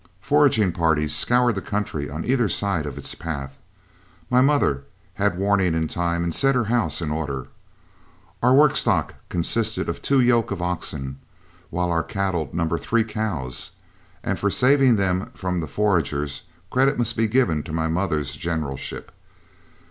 Foraging parties scoured the country on either side of its path. My mother had warning in time and set her house in order. Our work stock consisted of two yoke of oxen, while our cattle numbered three cows, and for saving them from the foragers credit must be given to my mother's generalship.